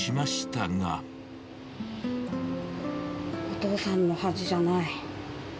お父さんの味じゃない。